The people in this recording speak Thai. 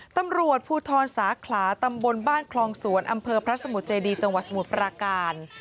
ตำรวจภูทรสาขลาตำบลบ้านคลองสวนอำเภอพระสมุทรเจดีจังหวัดสมุทรปราการ